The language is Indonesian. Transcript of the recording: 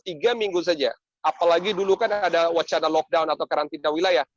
tiga minggu saja apalagi dulu kan ada wacana lockdown atau karantina wilayah